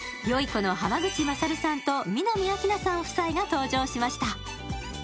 この濱口優さんと南明奈さん夫妻が登場しました。